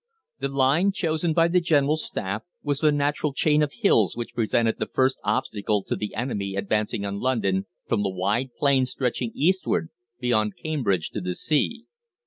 The line chosen by the General Staff was the natural chain of hills which presented the first obstacle to the enemy advancing on London from the wide plain stretching eastward beyond Cambridge to the sea.